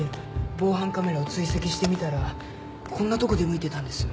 防犯カメラを追跡してみたらこんなとこ出向いてたんです。